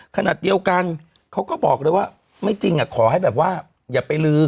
ขนาดเดียวกันเขาก็บอกเลยว่าไม่จริงขอให้แบบว่าอย่าไปลื้อ